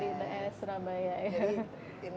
di its surabaya ya